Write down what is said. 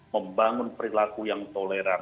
membangun perilaku yang toleran